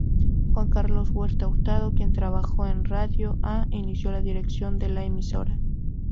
Juan Carlos Hurtado, quien trabajó en Radio A, inició la dirección de la emisora.